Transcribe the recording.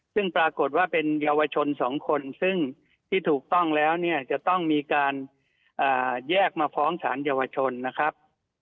ซึ่งปรากฏว่าเป็นเยาวชน๒คนซึ่งที่ถูกต้องแล้วเนี่ยจะต้องมีการแยกมาฟ้องสารเยาวชนนะครับ